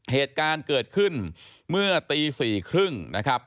เหตุการณ์เกิดขึ้นเมื่อตี๔๓๐นะครับ